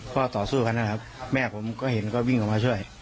ก็ต่อสู้กันนะครับแม่ผมก็เห็นก็วิ่งออกมาช่วย